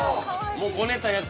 ◆もう、こねたやつ。